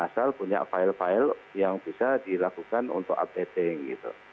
asal punya file file yang bisa dilakukan untuk updating gitu